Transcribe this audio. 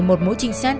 một mối trinh sát